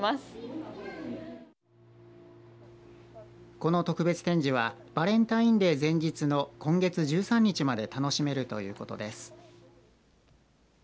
この特別展示はバレンタインデー前日の今月１３日まで楽しめるということです。